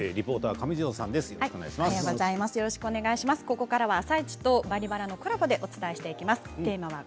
ここからは「あさイチ」と「バリバラ」のコラボでお伝えしていきます。